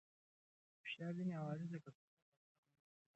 فشار ځينې عوارض لکه سر درد او ساه بندي راوړي.